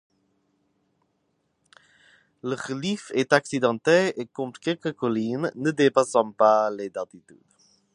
Le relief est accidenté et compte quelques collines, ne dépassant pas les d'altitude.